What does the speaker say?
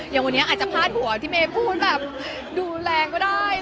อย่างวันนี้อาจจะพาดหัวที่เมย์พูดแบบดูแรงก็ได้